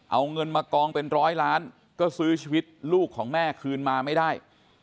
เอาเงินมากองเป็นร้อยล้านก็ซื้อชีวิตลูกของแม่คืนมาไม่ได้